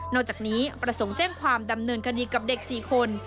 จากนี้ประสงค์แจ้งความดำเนินคดีกับเด็ก๔คน